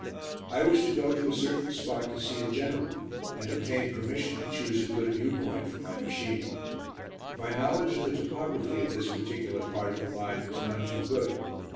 I was to go to a certain spot to see a general and obtain permission to choose a good view point for my machine. My knowledge of the topography of this particular part of the line was none too good.